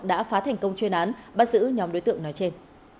đã phá thành công chuyên án bắt giữ nhóm đối tượng nói trên